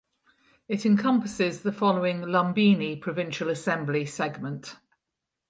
It encompasses the following Lumbini Provincial Assembly segment